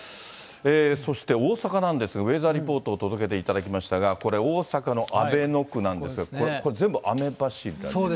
そして大阪なんですが、ウエザーリポートを届けていただきましたが、これ、大阪の阿倍野区なんですが、これ全部雨柱ですか。